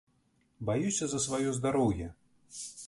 Баюся за сваё здароўе.